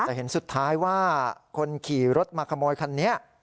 แต่เห็นสุดท้ายว่าคนขี่รถมาขโมยคันนี้